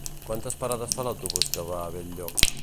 Quines parades fa l'autobús que va a Benlloc?